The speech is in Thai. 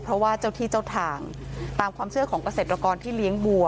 เพราะว่าเจ้าที่เจ้าทางตามความเชื่อของเกษตรกรที่เลี้ยงบัว